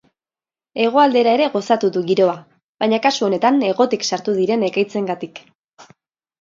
Hegoaldera ere gozatu du giroa, baina kasu honetan hegotik sartu diren ekaitzengatik.